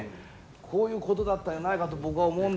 こういうことだったやないかと僕は思うんだ。